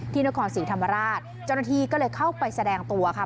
นครศรีธรรมราชเจ้าหน้าที่ก็เลยเข้าไปแสดงตัวค่ะ